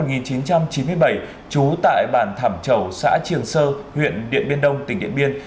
trú tại bàn thảm trầu xã triều sơ huyện điện biên đông tỉnh điện biên